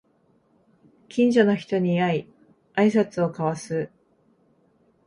近所の人に会いあいさつを交わす